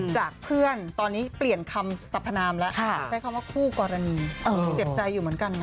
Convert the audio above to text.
จากเพื่อนตอนนี้เปลี่ยนคำสรรพนามแล้วใช้คำว่าคู่กรณีเจ็บใจอยู่เหมือนกันนะ